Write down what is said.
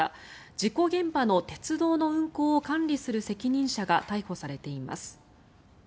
事故現場の鉄道の運行を管理する責任者が逮捕されています。